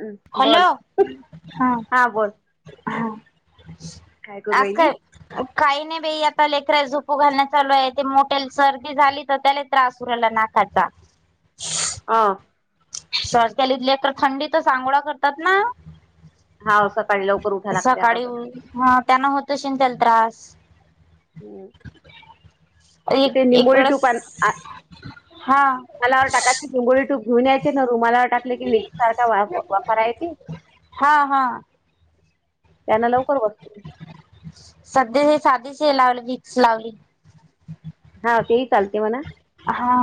हम्म हॅलो बोल हा. हा. काय करू आज राहिली काय काही नाही बे आता लेकराल झोपू घालण्या चालू आहे, ते मोठ्याल सर्दी झाली तर त्याले त्रास उरला ना काटा. अं... [unintelligible] काली लेकरं थंडी तर सांगोळा करतात ना? हा सकाळी लवकर उठा लागते आता सकाळी तर हा त्यांना होत आशि न त्याला त्रास. हम्म. एक ते एक निंबोळी वेळेस टूप हा तलावर टाकाचे निंबोडी टूप घेऊन यायचे न रुमलावर टाकलं की विक सारखा वापा राहायची. हा हा त्यांना लवकर बस [unintelligible] सध्या साधीच हे, लावले विक्स लावली. हा तेही चालते म्हणा. हा.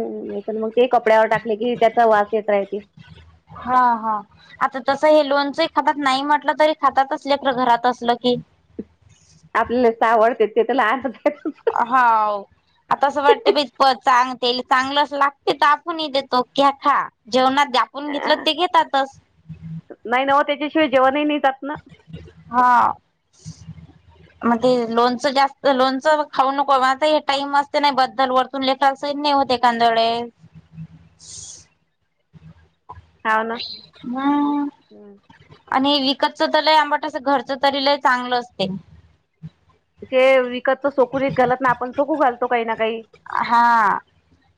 हम्म.. मग ते कपड्यावर टाकले की, त्यांचा वास येत राहिती. हा. हा. आता तसं हे लोणचं खातात नाही म्हटलं तरी खातातच लेकरं घरात असलं की. आपल्याल आवडत्यात ते त्याला आवडतेतच. हाव, आता असं वाटते बाई. प चांग ते चांगलंच लागते तर आपण देतो घ्या खा जेवणा द्या. कोण घेतलं आहे ते घेतातच. नाही ना ओ, त्याच्याशिवाय जेवण ही नाही जात ना. हांव.. मग ते लोणचं जास्त लोणचं खाऊ नको हे टाइम असते नाही बद्दल वर तुले का स नाही होते कांदोळे. हाव ना [unintelligible] ना हं. आणि विकतच तर लय आंबटस घरचं तरी लय चांगलं असते. ते विकतचं सोकू घालत ना आपण सोकू घाल तो काही ना काही हा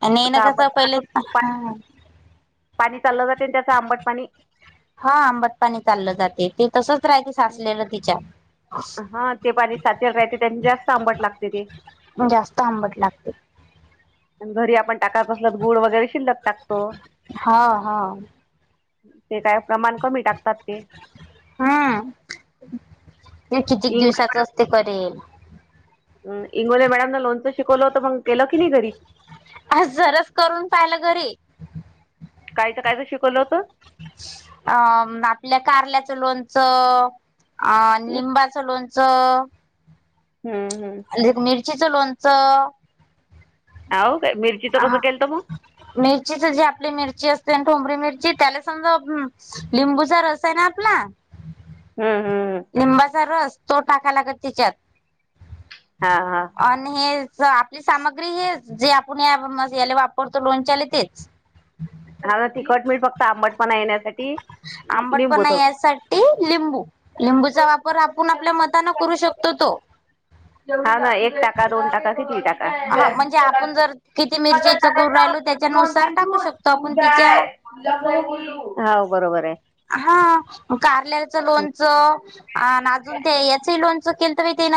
आणि हिनं कसं पहिले हा [unintelligible] पाणी चाललं जाते त्याचं आंबट पाणी. हा आंबट पाणी चाललं जाते, ते तसच राहते साचलेलं तिच्या हा ते पाणी साचेल राहते त्यांनी जास्त आंबट लागते ते. जास्त आंबट लागते. घरी आपण टाकायच असल तर गुळ वगैरे शिल्लक टाकतो. हा हा ते काय प्रमाण कमी टाकतात ते. हमं ते कितीक इंग दिवसाच असते करेल. इंगोले मॅडम लोणचं शिकवलं होतं मग केलं की नाही घरी. आज जराच करून पाहिलं घरी. काय तर कायच शिकवलं होतं? अ आपल्या कारल्याच लोणचं. अ लिंबाचं लोणचं. हम्. हमं. एक मिरचीचं लोणचं. आवो काय मिरचीच ह कसं केलंत मग. मिरचीच जे आपली मिरची असते ठोंबरी मिरची त्याला समजा. लिंबूचा रस आहे न आपला. हा. हा. लिंबाचा रस तो टाकाय लागत तिच्यात हा हा आणि हे आपली सामग्री हे जे आपण या याला वापरतो लोणच्याला तेच. हा ना तिखट मिठ फक्त आंबटपणा येण्यासाठी. लिंबू आंबटपणा थोडं यासाठी लिंबू -लिंबूचा वापर आप आपूण आपल्या मतान करू शकतो तो. हा ना एक टाका, दोन टाका कितीही हा तीन म्हणजे टाका. आपण जर किती मिरचीच करू राहिलो त्याच्यानुसार टाकू शकतो आपण तिच्या [unintelligible] हाव बरोबर आहे. हा कारलचं हं. लोणचं आणि अजून ते याचही लोणचं. चुकील तर म ते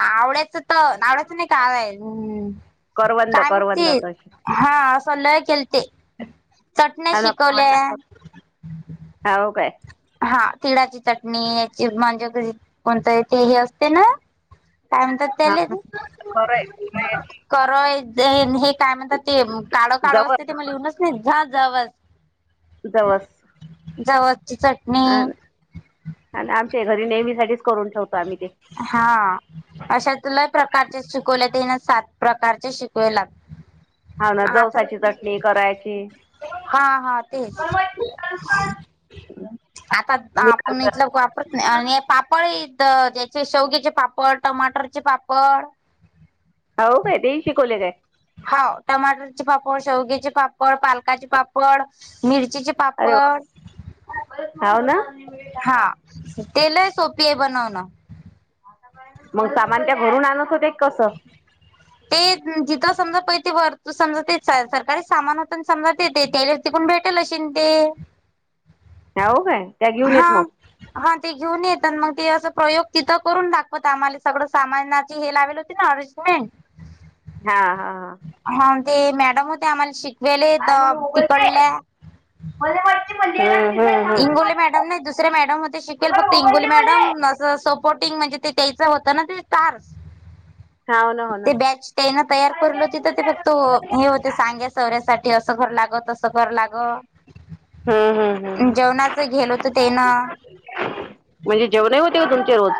आवड्याच तर आवड्याचं नाही काम् करवंद काय म्हती करवंदाच हा असं सल्लय केल ते. चटण्या शिकवल्या. हाव काय. हा तिळाची चटणी याची म्हणजे कोणतं आहे ते हे असते ना? काय म्हणता तर ते हा ले च खरं आहे, खरं आहे. करो हे [unintelligible] काय म्हणतात ते काळो काळो असते जवस ते म लिहूनच ना झा जावच. जवस चट ह आणि आमच्या घरी नेहमी साठी करून ठेवतो. आम्ही ते हा अशा लय प्रकारचे कोला ताईने सात प्रकारचे शिकवे लाग. हा ना जवसाची चटणी करायची. हा हा मला तेच. माहिती आहे का? आता मी आपण खाल्लं. इथलं वापरत नाही आणि पाप पळ येथ ज्याचे शेवगीचे पापड, टमाटरचे पापड. हाव कायतरी शिकवले काय? हाव टमाटरचे पापड, शेवगीचे पापड, पालकाचे पापड मिरचीचे अरे वा पापड. हाव ना? हा ते लय सोपी आहे बनवणं. मग सामान त्या भरून आणत होते कसं? [unintelligible] ते जिथं समजा प ते वर समजा ते सरकारी सामान होत समजा ते त्या तिकून भेटेल अशी ते. हाव काय त्या घेऊन येत हा. मग. हा ते घेऊन येतान मंग ते असं प्रयोग तिथं करून दाखवत आम्हाले सगळं सामानाचे हे लावेलं. ती नारज मे हा हा हा. हा ते मॅडम होते आम्हाला शिक हम्म. हम्म. बोले मॅडमने दुसरे दुसरे मॅडम हो ते शिकेल फक्त मोबाईल इंगोली दे मला मॅडम असं सपोर्टिंग म्हणजे ते त्याचा होतं ना ते कार हाव ना हो ना ते बॅच त्यान तयार खाली करलो. जाय कुठे तिथं ते जाय फक्त मला मोबाईल दे. हे होते, सांग्या सौर्यासाठी असं करना ग तसं करन ग. हम्म हम्म हम्म जेवणाच घेलो तर ते ना. जास्तीत जास्त. म्हणजे जेवण हो तेव तुमच्या रोज.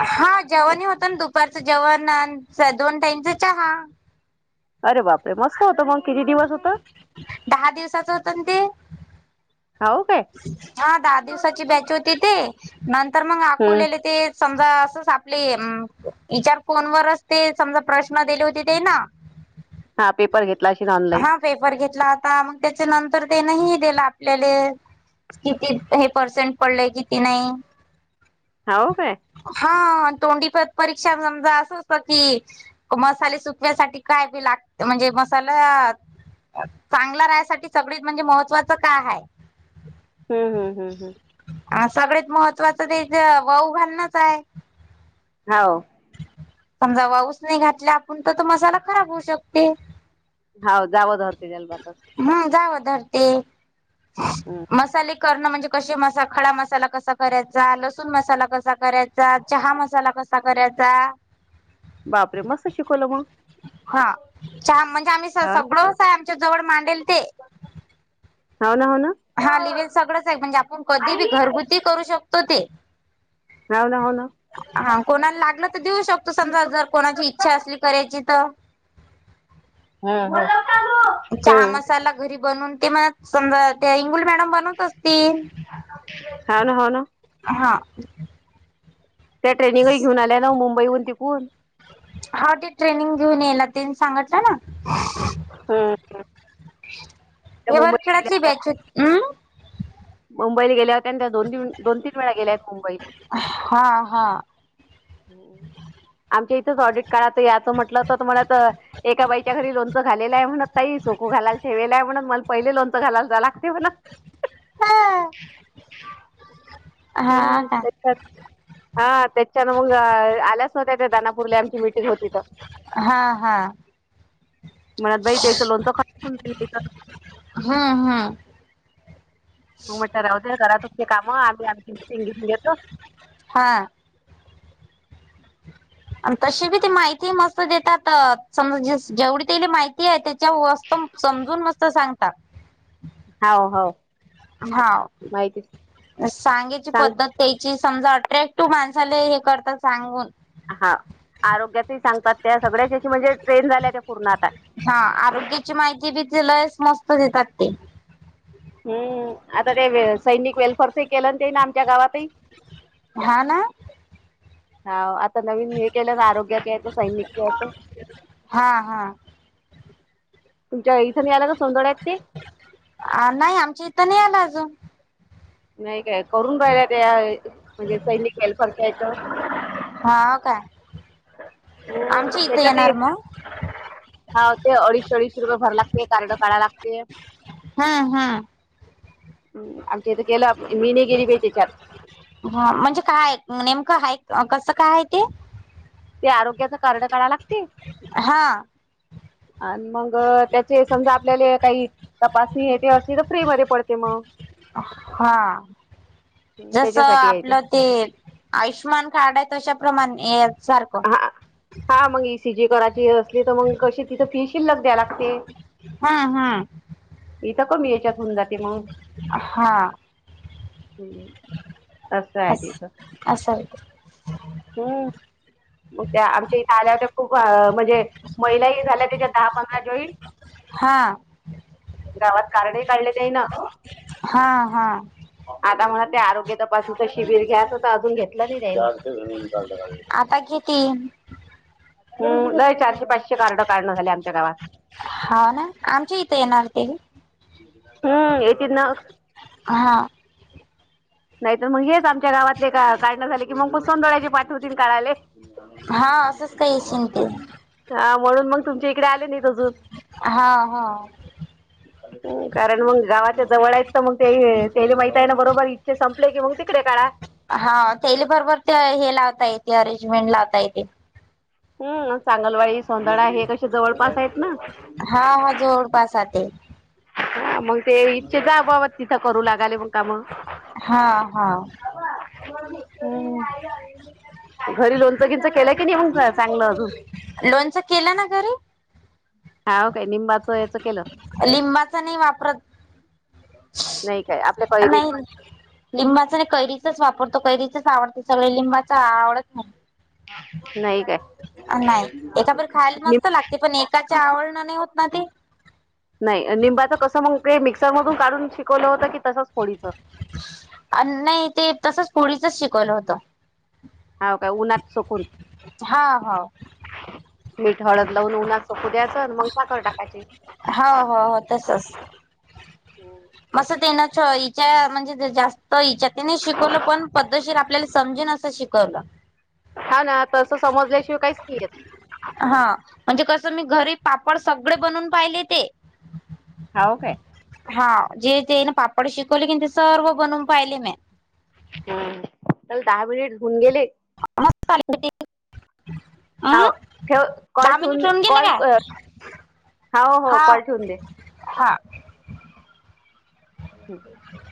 हा जेवणही होतं ना दुपारचं जेवण दोन टाईमचा चहा. अरे बापरे मस्त होतं मग किती दिवस होत? दहा दिवसाच होता ना ते. हाउ. हा दहा दिवसाची बॅच होती ते नंतर मंग हम्म आकुलेले ते समजा असंच आपले उम्म इचार फोन वरच ते समजा प्रश्न दिले होते ते ना. हा पेपर घेतला अशीन ऑलाईन. हा पेपर घेतला होता आता मग त्याच्या नंतर त्यान ह दिला आपल्याला. किती हे पर्सेंट पडलेय किती नाही. हावं काय. हा तोंडी पय परीक्षा समजा असं असतं की. मसाले सुकण्यासाठी कायी लागते म्हणजे मसाले चांगला राहायसाठी सगळी म्हणजे, महत्वाच कायं आहे. हम् हम हम् हम. हा सगळत महत्वाचं तेच, वऊ घालनच आहे. हंव.. समजा वा उसने नाही घातला, आपण तर तो मसाला खराब होऊ शकते. हा [unintelligible] हम्म.. जावा धरती. हम्म मसाले करणं म्हणजे, कशे मसा- खडा मसाला कसा करायचा? लसूण मसाला कसा करायचा? चहा मसाला कसा कराय त्या. बापरे मस्त शिकवलं मग हां... छान म्हणजे, आम्ही सगळंच. हा फक्तं आमच्या जवळ मांडेल ते. हो ना, हो ना. हा अं, लिवेल सगळंच आहे म्हणजे, आपण कधी बी आई घरगुती करू शकतो ते. हाव ना, हो ना. हा कोणाला लागल तर देऊ शकतो, समजा जर कोणाची इच्छा असली. करायची तर, हा हा. चहा मसाला घरी बनून ते, मला समजा ते इंगुल मॅडम बनवतात. तीन हाव ना, हो ना. हां.. त्या ट्रेनिंगही घेऊन आल्या, ना मुंबईहून तिकून. हा ते ट्रेनिंग घेऊन येला, तेन सांगटलं ना. हो.. एव खेळातली बॅच होती. हम्.. मुंबईली गेल्या होत्या त्या‌ दोन, दोन तीन वेळा गेल्या आहेत मुंबईले. हा हा हो. आमच्या इथंच ऑडिट काढाचं याचं म्हटलं असतं तुम्हाला तर एका बाईच्या घरी लोणचं खालेलं आहे. म्हण ताई सुखू घालायला ठेवलंय म्हणून, मला पहिले लोणचं घालायला लागते म्हण. हा का हम्.. हा त्याच्यात मग आल्या, नवत्या त्या दानापूरला आमची मिटिंग होती तर. हा हा मुळात बाई त्याचं लोणचं [unintelligible] हुं हुं मग म्हटलं राहूचे घरात तुझ ते काम आले [unintelligible] हा.. आणि तशी बी ती माहिती मस्त देतात, समज जेवढी तीला माहिती आहे त्याच्या वस्तू. समजून मस्त सांगतात. हावं हावं.. हांव, सांगायची सांग पद्धत. त्याची समजा अट्रॅक्टिव माणसाला हे करतात सांगून हा आरोग्यातही सांगतात त्या, सगळ्याच्या म्हणजे ट्रेन झाल्या त्या पूर्ण आता. हा आरोग्याची माहिती बी तिलस मस्त देतात ते. हम्म. आता ते सैनिक वेल्फेअरच केलं, ते ना आमच्या गावातही. हां ना. हांव आता नवीन हे केलं ना, आरोग्याचं हेच [unintelligible] हा तुमच्या इथं मिळाली, का सोंदोड्यात ती. अ.. नाही आमच्या इथं, नाही आला अजून. नाही काय करून राहिला त्या, म्हणजे सैनिक वेल्फरच्या हितं. हां काय. आमच्या इथं येणार मगं. हांव ते अडीचशे अडीचशे रुपये भरा लागते, कार्ड काढावा लागते. हा हा. अं आमच्या इथं गेल्यात मी नाही गेली बाई तेच्यात. हा म्हणजे काय नेमकं हा, कसं काय हाय ते. ते आरोग्याच कारड काढाय लागते हा आण मग मग त्याचे समजा आपल्याला काही तपासणी हे ते असली तर फ्री मध्ये पडते मग. हां.. जस त्याच्यासाठी आहे आपलं, ते आयुष्मान कार्ड आहे, तशाप्रमाणे ये.. सारखं. हा हा मग इसी जी करायची असली तर मग कशी तिथं फी शीलक द्या लागते. हा हा. इथं कमी याच्यात होऊन जाते मग. हा असं हाय ते असाल तर. हम. मग त्या आमच्या इथे आल्या होत्या खूप म्हणजे महिलाही झाल्या त्याच्यात दहा पंधरा जॉईन. हां. गावात कारड ही काढले त्यान. हा हा. आता मग ते आरोग्य तपासनीच शिबिर घ्यायचं तर अजून घेतलं नाही त्यांनी. आता कि तीन. हम. लय चारशे पाचशे कार्ड काडणं झाले, आमच्या गांवात. हां ना, आमच्या इथं येणार तेनी. हम्म येेत ना हा. नाही तर मग हेच आमच्या गावातले का, काढणे झाले की मग संडोळ्याची पाठवतील काढाले. हा असंच काय अशीन ते. हा म्हणून मग तुमच्या इकडे आले नाहीत अजून. हा हा. कारण मग गावाच्या जवळ आहेत तर, मग ते तेले माहित आहे ना बरोबरी. ते संपले की मग तिकडे काढा. हा तेली बरोबर ते हे लावता येते, अरेंजमेंट लावता येते. हम् चांगलवाडी सोंदडा हे कसे जवळपास आहेत ना हा हा जवळ पास हा ते मग ते इच्छेचाबाबा तिथं करू लागाले मग काम मग. हा हा. हं [unintelligible] घरी लोणच गींचं केलंय की, नाहीे चांगलं अजून. लोणचं केलं ना घरी. हांव का लिंबाचं. लिंबाचा नाही वापरत. नाही काय आप नाही [unintelligible] लिंबाच नाही कैरीचच वापरतो कैरीच आवडत सगळे लिंबाच आवडत नाही. नाही काय. अ नाही एका बर खायला मस्त लागते पण एकाच्या आवडन नाही होत ना ते. नाही निंबाच कसं मग ते, मिक्सर मधून काढून शिकवलं होतं की तसंच फोडीचं. अन नाही ते तसच फोडीचच शिकवलं होतं. हांव काय उन्हात सुकून. हांव हांव. मीठ, हळद लावून उन्हात सुकू द्याचं मग साखर टाकायची. हा हो हो तसच. मस्त तेना च हिच्या म्हणजे ते जास [unintelligible] शिकवलं पण पद्धशर आपल्याला समजेन असं शिकवलं. हा ना तसं समजल्याशिवाय काहीच नाही येत. हा म्हणजे कसं मी घरी पापड सगळे बनवून पाहिले ते. हाव काय? हाव जे तेन पापड शिकवले की न ते सर्व बनवून पाहिले मे. हुं चल दहा मिनिट होऊन गेले. [unintelligible] अ हाव ठेव कॉल दहा महिने ठेवून ठेऊन गेले कॉल काय? हो हो हा कॉल ठेवून दे हां. ठीक आहे.